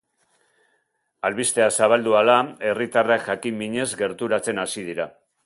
Albistea zabaldu ahala, herritarrak jakin-minez gerturatzen hasi dira.